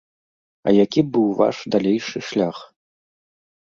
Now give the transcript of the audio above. А які быў ваш далейшы шлях?